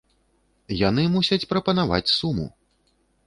Яны мусяць прапанаваць суму!